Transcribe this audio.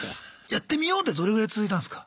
「やってみよう」でどれぐらい続いたんすか？